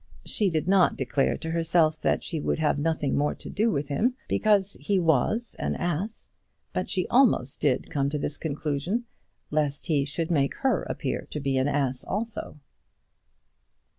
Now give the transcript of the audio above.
She did not declare to herself that she would have nothing more to do with him, because he was an ass; but she almost did come to this conclusion, lest he should make her appear to be an ass also.